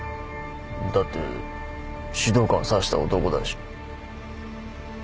だって指導官刺した男だし。